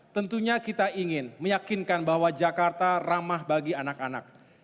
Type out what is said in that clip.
tentunya kita ingin meyakinkan bahwa jakarta ramah bagi anak anak